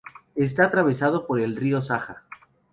Está atravesado por el río Saja.